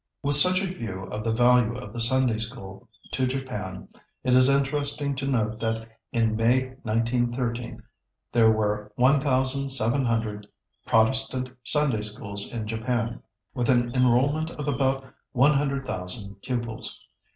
] With such a view of the value of the Sunday School to Japan, it is interesting to note that in May, 1913, there were one thousand seven hundred Protestant Sunday Schools in Japan, with an enrollment of about 100,000 pupils.